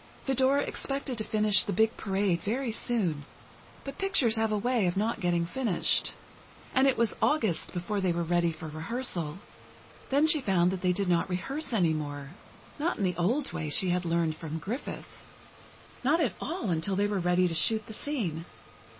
Vidor expected to finish "The Big Parade" very soon, but pictures have a way of not getting finished, and it was August before they were ready for rehearsal. Then she found that they did not rehearse any more—not in the old way she had learned from Griffith—not at all until they were ready to shoot the scene.